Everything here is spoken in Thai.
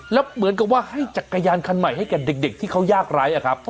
แล้วเหมือนกับว่าให้จักรยานคันใหม่ให้กับเด็กที่เขายากไร้อะครับ